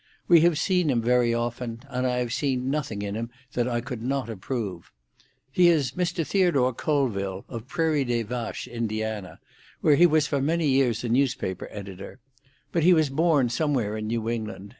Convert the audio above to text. We have seen him very often, and I have seen nothing in him that I could not approve. He is Mr. Theodore Colville, of Prairie des Vaches, Indiana, where he was for many years a newspaper editor; but he was born somewhere in New England.